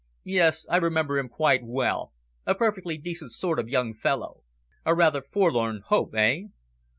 "Yes, I remember him quite well, a perfectly decent sort of young fellow. A rather forlorn hope, eh?"